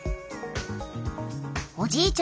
おじいちゃん